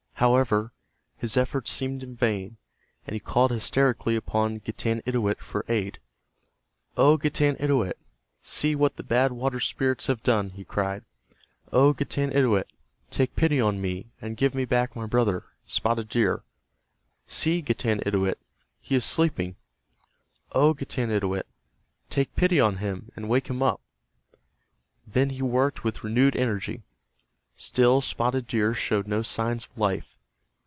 However, his efforts seemed in vain and he called hysterically upon Getanittowit for aid. "O Getanittowit, see what the Bad Water Spirits have done," he cried. "O Getanittowit, take pity on me, and give me back my brother, Spotted Deer. See, Getanittowit, he is sleeping. O Getanittowit, take pity on him and wake him up." Then he worked with renewed energy. Still Spotted Deer showed no signs of life.